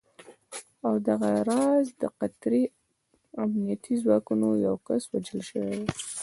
او دغه راز د قطري امنیتي ځواکونو یو کس وژل شوی و